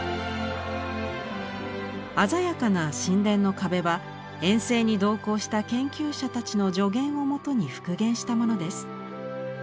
鮮やかな神殿の壁は遠征に同行した研究者たちの助言をもとに復元したものです。